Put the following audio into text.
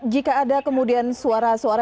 jika ada kemudian suara suara